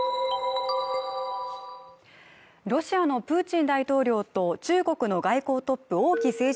ロシアのプーチン大統領と中国の外交トップ王毅政治